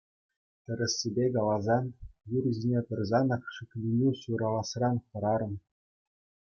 Тӗрӗссипе каласан, юр ҫине тӑрсанах шикленӳ ҫураласран хӑрарӑм.